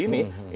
yang tadi ini